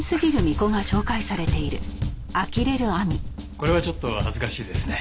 これはちょっと恥ずかしいですね。